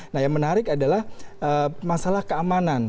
nah yang menarik adalah masalah keamanan